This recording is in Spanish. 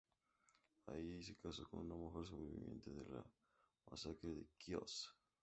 Allí se casó con una mujer sobreviviente de la Masacre de Quíos.